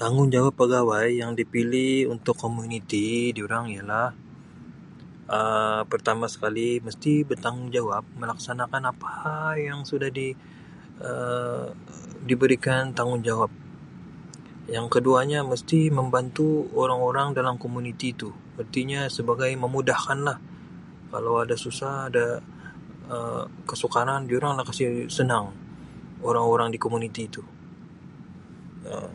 Tanggungjawab pegawai yang dipilih untuk komuniti diorang ialah Um pertama sekali mesti bertanggungjawab melaksanakan apa yang sudah di Um diberikan tanggungjawab yang keduanya mesti membantu orang-orang dalam komuniti itu ertinya sebagai memudahkan lah kalau ada susah Um ada Um kesukaran dorang lah kasi senang orang-orang di komuniti itu Um .